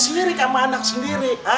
bukan ini babe sirikan sama anak sendiri